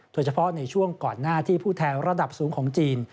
โดยเฉพาะในช่วงก่อนหน้าที่ผู้แทนระดับสูงของจีน